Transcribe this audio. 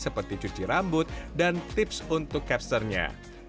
seperti cuci rambut dan tips untuk capsternya